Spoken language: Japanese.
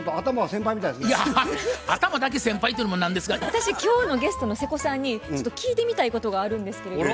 私今日のゲストの瀬古さんにちょっと聞いてみたいことがあるんですけれども。